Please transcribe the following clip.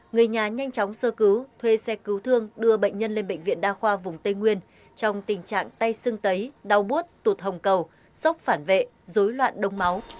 người nhà nhanh chóng sơ cứu thuê xe cứu thương đưa bệnh nhân lên bệnh viện đa khoa vùng tây nguyên trong tình trạng tay sưng tấy đau bút tụt hồng cầu sốc phản vệ dối loạn đông máu